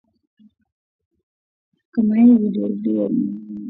kwa mayai Halafu viluwiluwi au mabuu au watoto hao wa kupe nao husambaza viini